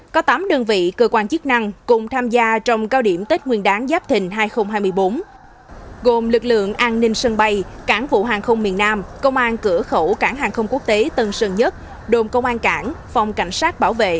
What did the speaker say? cửa khẩu cảng hàng không quốc tế tân sơn nhất đồn công an cảng phòng cảnh sát bảo vệ